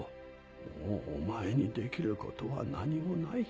もうお前にできることは何もない。